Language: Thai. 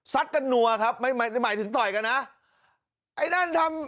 สัดกันหนัวครับหมายถึงต่อยกันนะ